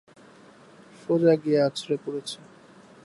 সোজা গিয়ে আছড়ে পড়েছে।